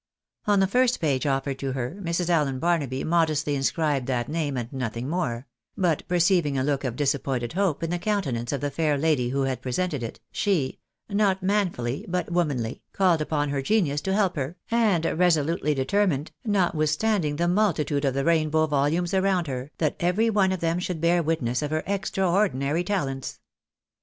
On the first page offered to her, Mrs. Allen Barnaby 'modestly inscribed that name and nothing more ; but perceiving a look of disappointed hope in the countenance of the fair lady who had presented it, she (not manfully, but womanfuUy) called upon her genius to help her, and resolutely determined, notwithstanding the multitude of the rainbow volumes around her, that every one of them should bear witness of her extraordinary talents.